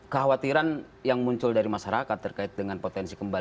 kekhawatiran yang muncul dari masyarakat terkait dengan potensi kembali